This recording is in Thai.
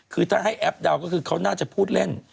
คือถ้าให้แอปเดาก็คือเขาน่าจะพูดเล่น